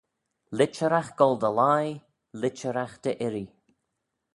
Litcheragh goll dy lhie, litcheragh dy irree,